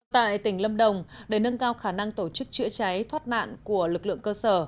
tại tỉnh lâm đồng để nâng cao khả năng tổ chức chữa cháy thoát nạn của lực lượng cơ sở